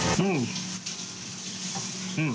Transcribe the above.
うん！